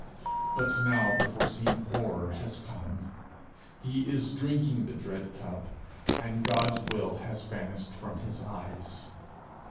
But now the foreseen horror has come. He is drinking the dread cup, and the Will has vanished from his eyes.